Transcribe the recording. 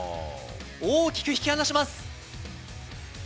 大きく引き離します。